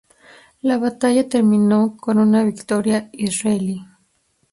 La batalla terminó con una victoria israelí.